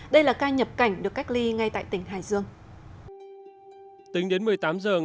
đây là ca nhập cảnh được cách ly ngay tại tỉnh hải dương